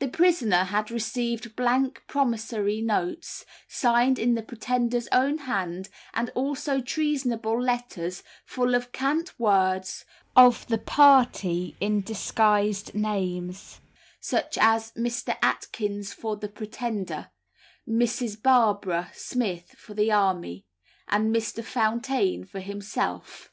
The prisoner had received blank promissory notes signed in the Pretender's own hand, and also treasonable letters full of cant words of the party in disguised names such as Mr. Atkins for the Pretender, Mrs. Barbara Smith for the army, and Mr. Fountaine for himself.